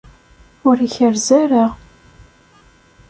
Ur ikerrez ara.